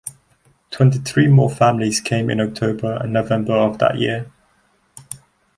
Twenty-three more families came in October and November of that year.